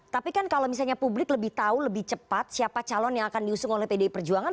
tapi kan kalau misalnya publik lebih tahu lebih cepat siapa calon yang akan diusung oleh pdi perjuangan